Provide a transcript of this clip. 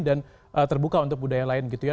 dan terbuka untuk budaya lain gitu ya